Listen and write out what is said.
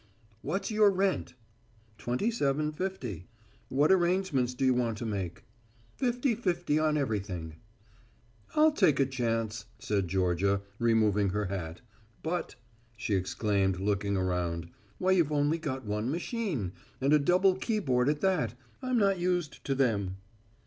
"What's your rent!" "Twenty seven fifty." "What arrangements do you want to make?" "Fifty fifty on everything." "I'll take a chance," said Georgia, removing her hat. "But," she exclaimed, looking around, "why you've only got one machine and a double keyboard at that. I'm not used to them."